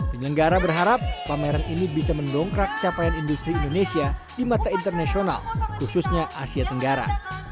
penyelenggara berharap pameran ini bisa mendongkrak capaian industri indonesia di mata internasional khususnya asia tenggara